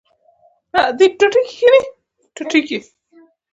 جوجو وویل مرسته غواړم.